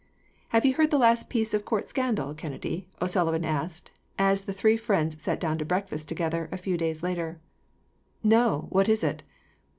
"Have you heard the last piece of court scandal, Kennedy?" O'Sullivan asked, as the three friends sat down to breakfast together, a few days later. "No; what is it?"